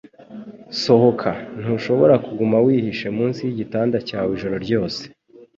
Sohoka. Ntushobora kuguma wihishe munsi yigitanda cyawe ijoro ryose.